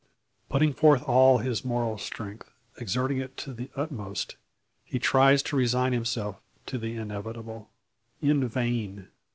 Putting forth all his moral strength, exerting it to the utmost, he tries to resign himself to the inevitable. In vain.